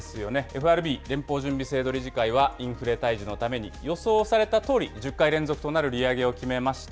ＦＲＢ・連邦準備制度理事会はインフレ退治のために予想されたとおり、１０回連続となる利上げを決めました。